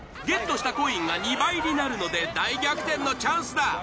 ゲットしたコインが２倍になるので大逆転のチャンスだ！